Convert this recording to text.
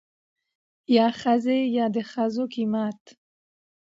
يا ښځې يا دښځو قيمت.